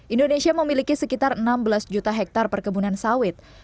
indonesia memiliki sekitar enam belas juta hektare perkebunan sawit